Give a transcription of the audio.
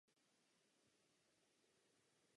Má staršího bratra Davida.